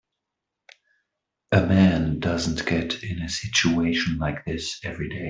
A man doesn't get in a situation like this every day.